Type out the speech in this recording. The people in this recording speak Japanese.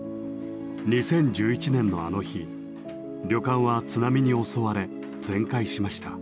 ２０１１年のあの日旅館は津波に襲われ全壊しました。